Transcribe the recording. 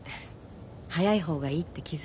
早い方がいいって気付いた。